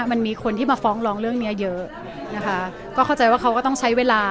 มันมีคนที่มาฟ้องร้องเรื่องเนี้ยเยอะนะคะก็เข้าใจว่าเขาก็ต้องใช้เวลา